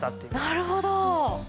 なるほど。